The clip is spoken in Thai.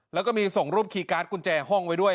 แล้วก็มีส่งรูปคีย์การ์ดกุญแจห้องไว้ด้วย